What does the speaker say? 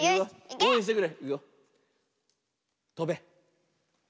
おうえんしてね！